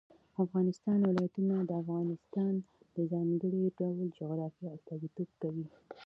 د افغانستان ولايتونه د افغانستان د ځانګړي ډول جغرافیه استازیتوب کوي.